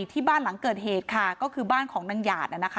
ที่บ้านหลังเกิดเหตุค่ะก็คือบ้านของนางหยาด